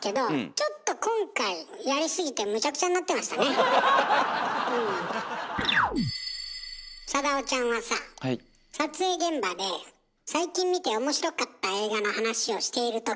ちょっと今回サダヲちゃんはさ撮影現場で最近見て面白かった映画の話をしているとき